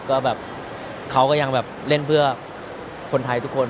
ก็แบบเขาก็ยังแบบเล่นเพื่อคนไทยทุกคน